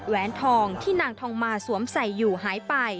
แหนทองที่นางทองมาสวมใส่อยู่หายไป